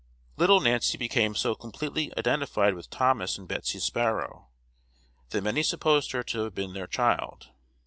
Little Nancy became so completely identified with Thomas and Betsy Sparrow that many supposed her to have been their child.